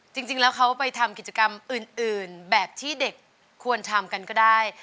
จริงแล้วเขาไปทำกิจกรรมอื่นแบบที่เด็กควรทำกันก็ได้